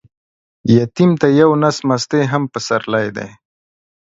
يتيم ته يو نس مستې هم پسرلى دى.